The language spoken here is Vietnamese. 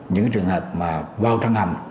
những trường hợp mà vào trong hầm